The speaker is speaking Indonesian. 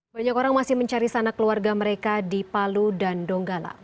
banyak orang masih mencari sanak keluarga mereka di palu dan donggala